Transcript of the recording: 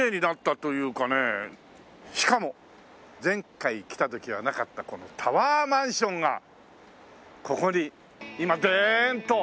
しかも前回来た時はなかったこのタワーマンションがここに今デーンと。